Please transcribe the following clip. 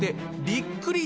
びっくり？